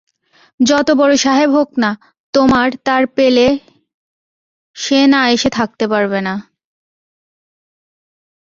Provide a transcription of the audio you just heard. যতবড়ো সাহেব হোক-না, তোমার তার পেলে সে না এসে থাকতে পারবে না।